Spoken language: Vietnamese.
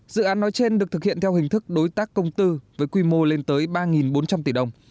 dự án nói trên được thực hiện theo hình thức đối tác công tư với quy mô lên tới ba bốn trăm linh tỷ đồng